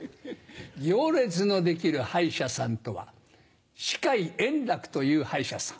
行列の出来る歯医者さんとはシカイ円楽という歯医者さん。